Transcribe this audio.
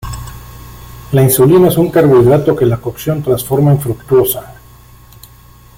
La inulina es un carbohidrato que la cocción transforma en fructosa.